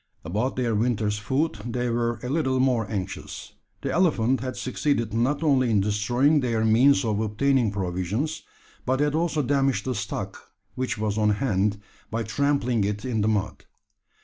About their winter's food they were a little more anxious. The elephant had succeeded not only in destroying their means of obtaining provisions, but had also damaged the stock which was on hand, by trampling it in the mud.